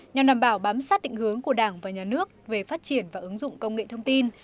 nhằm đảm bảo bám sát định hướng của đảng và nhà nước về phát triển và ứng dụng công nghệ thông tin